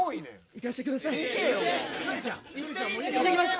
行ってきます